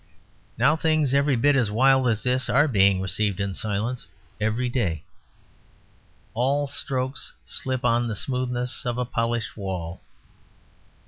Now things every bit as wild as this are being received in silence every day. All strokes slip on the smoothness of a polished wall.